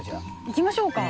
行きましょうか。